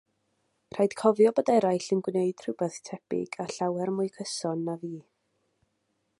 Rhaid cofio bod eraill yn gwneud rhywbeth tebyg a llawer mwy cyson na fi.